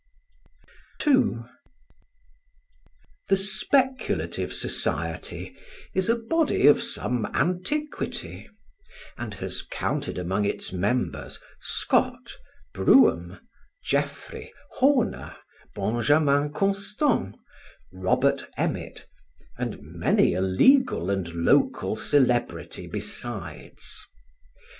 II The Speculative Society is a body of some antiquity, and has counted among its members Scott, Brougham, Jeffrey, Horner, Benjamin Constant, Robert Emmet, and many a legal and local celebrity besides.